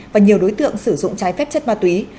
và nhiều đối tượng sử dụng trái phép chất ma túy